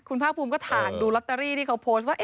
คุณภาคภูมิก็ถ่างดูลอตเตอรี่ที่เขาโพสต์ว่า